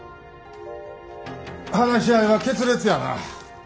話し合いは決裂やな。